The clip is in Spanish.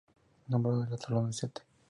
Nombró el atolón St.